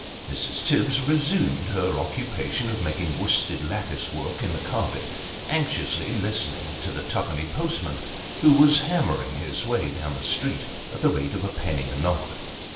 Mrs. Tibbs resumed her occupation of making worsted lattice work in the carpet, anxiously listening to the twopenny postman, who was hammering his way down the street, at the rate of a penny a knock.